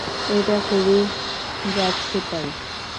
এটা খুবই যাচ্ছেতাই।